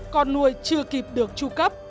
con nuôi chưa kịp được tru cấp